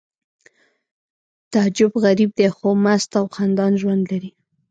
تعجب غریب دی خو مست او خندان ژوند لري